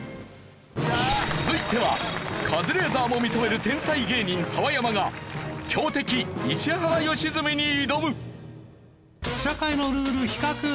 続いてはカズレーザーも認める天才芸人澤山が強敵石原良純に挑む！